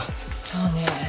そうね。